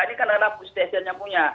ini kan ada stesen yang punya